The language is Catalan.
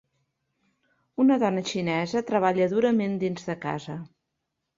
Una dona xinesa treballa durament dins de casa